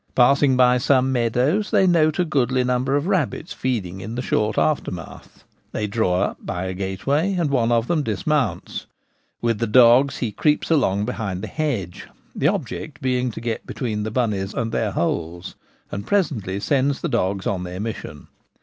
Passing by some meadows, they note a goodly num ber of rabbits feeding in the short aftermath. They draw up by a gateway, and one of them dismounts. With the dogs he creeps along behind the hedge (the object being to get between the bunnies and their holes), and presently sends the dogs on their mission.